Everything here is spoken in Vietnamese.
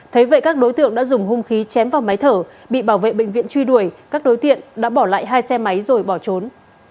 thế vậy các đối tượng đã dùng hung khí chém vào máy thở bị bảo vệ bệnh viện truy đuổi các đối tượng đã bỏ lại hai xe máy rồi bỏ trốn